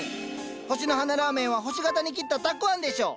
星の花ラーメンは星形に切ったたくあんでしょ？